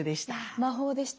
魔法でした。